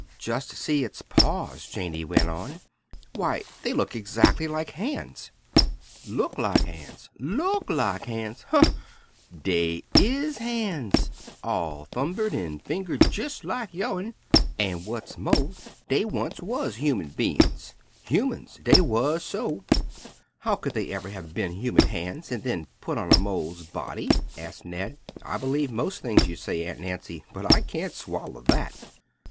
"Just see its paws," Janey went on, "why, they look exactly like hands." "Look lak han's! look lak han's! umph! dey is han's, all thumbered an' fingered jes lak yo'n; an', w'at's mo', dey wuz onct human ban's; human, dey wuz so!" "How could they ever have been human hands and then been put on a mole's body?" asked Ned. "I believe most things you say, Aunt Nancy, but I can't swallow that."